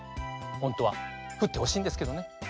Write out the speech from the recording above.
ほんとはふってほしいんですけどね。